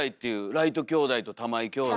ライト兄弟と玉井兄弟。